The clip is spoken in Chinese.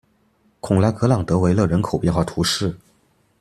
孔拉格朗德维勒人口变化图示